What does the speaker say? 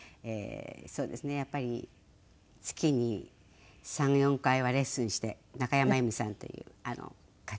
そうですねやっぱり月に３４回はレッスンして中山エミさんという方にシャンソンを。